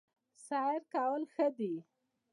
سیر کول ښه دي